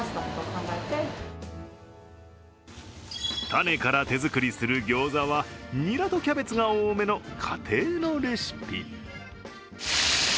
タネから手作りするギョーザはにらとキャベツが多めの家庭のレシピ。